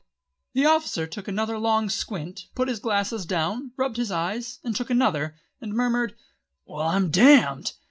The officer took another long squint, put his glasses down, rubbed his eyes and took another, and murmured, "Well I'm damned!"